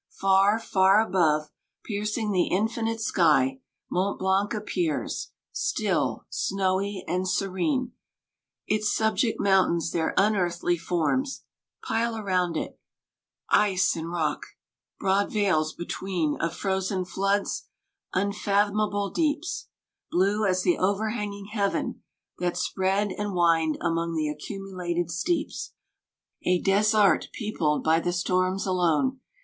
Far, far above, piercing the infinite sky, Mont Blanc appears, — still, snowy, and serene — Its subject mountains their unearthly forms Pile around it, ice and rock ; broad vales between Of frozen floods, unfathomable deeps, Blue as the overhanging heaven, that spread And wind among the accumulated steeps ; 179 A desart peopled by the storms alone.